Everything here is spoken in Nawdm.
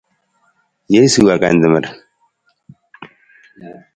Jesu akantamar.